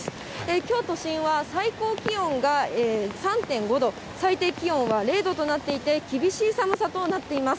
きょう、都心は最高気温が３．５度、最低気温は０度となっていて、厳しい寒さとなっています。